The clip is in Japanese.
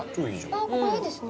ここいいですね。